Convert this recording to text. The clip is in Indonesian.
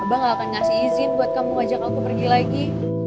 abang gak akan ngasih izin buat kamu ngajak aku pergi lagi